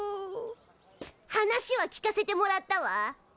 話は聞かせてもらったわ。